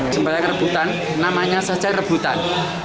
sempat yang rebutan namanya saja rebutan